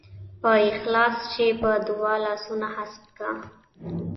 په اخلاص چې په دعا لاسونه هسک کا.